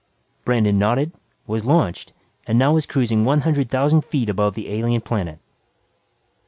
Brandon nodded, was launched and now was cruising one hundred thousand feet above the alien planet.